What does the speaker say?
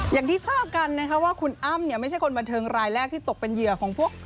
อย่างที่ทราบกันนะคะว่าคุณอ้ำเนี่ยไม่ใช่คนบันเทิงรายแรกที่ตกเป็นเหยื่อของพวก